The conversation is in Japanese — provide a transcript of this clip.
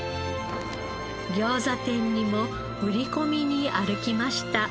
餃子店にも売り込みに歩きました。